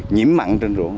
nhiễm mặn trên ruộng